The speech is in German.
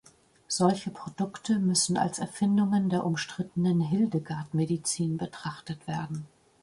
Solche Produkte müssen als Erfindungen der umstrittenen Hildegard-Medizin betrachtet werden.